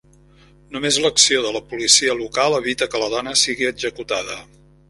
Només l'acció de la policia local evita que la dona sigui executada.